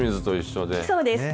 そうです。